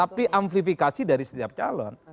tapi amplifikasi dari setiap calon